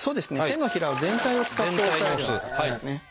手のひら全体を使って押さえるような形ですね。